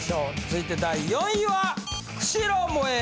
続いて第４位は！